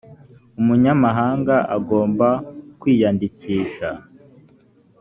umunyamahanga agomba kwiyandikisha.